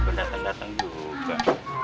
tuh dateng dateng juga